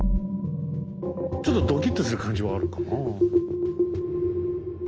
ちょっとドキッとする感じはあるかなあ。